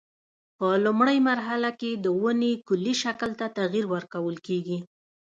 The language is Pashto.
په لومړۍ مرحله کې د ونې کلي شکل ته تغییر ورکول کېږي.